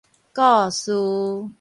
故事